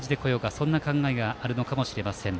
そんな考えがあるのかもしれません。